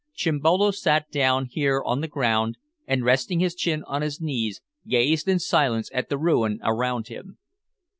Chimbolo sat down here on the ground, and, resting his chin on his knees, gazed in silence at the ruin around him.